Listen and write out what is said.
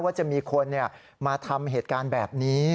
ว่าจะมีคนมาทำเหตุการณ์แบบนี้